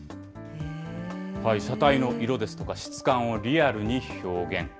車体の色ですとか、質感をリアルに表現。